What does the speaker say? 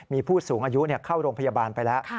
มีผู้สูงอายุเข้าโรงพยาบาลไปแล้ว